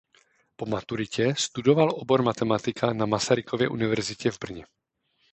Po maturitě studoval obor matematika na Masarykově universitě v Brně.